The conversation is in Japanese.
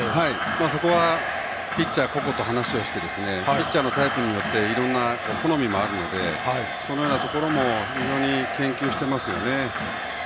そこはピッチャー個々と話をしてピッチャーのタイプによっていろいろな好みもあるのでそのようなところも非常に研究していますね。